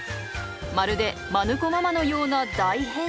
まるでマヌ子ママのような大変身。